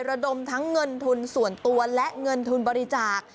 ระดมทั้งเงินทุนส่วนตัวและเงินทุนบริจาค